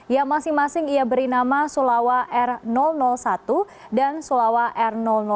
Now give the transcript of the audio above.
yang masing masing ia beri nama sulawak r satu dan sulawak r dua